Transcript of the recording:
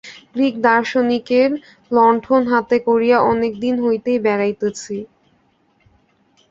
Greek দার্শনিকের লণ্ঠন হাতে করিয়া অনেক দিন হইতেই বেড়াইতেছি।